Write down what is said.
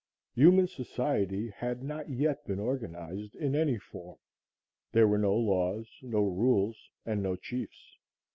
Human society had not yet been organized in any form; there were no laws, no rules and no chiefs.